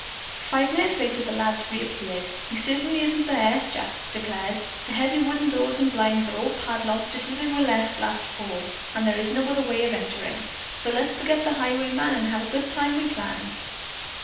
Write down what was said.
Five minutes later the lads reappeared. "He certainly isn't here!" Jack declared. "The heavy wooden doors and blinds are all padlocked just as they were left last fall, and there is no other way of entering, so let's forget the highwayman and have the good time we planned."